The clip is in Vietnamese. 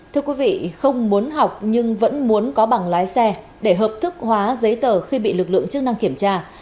thưa quý vị không muốn học nhưng vẫn muốn có bằng lái xe để hợp thức hóa giấy tờ khi bị lực lượng chức năng kiểm tra